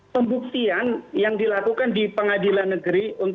pembuktian yang dilakukan di pengadilan negeri